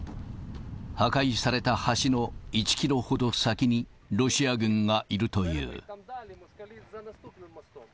破壊された橋の１キロほど先にロシア軍がいるという。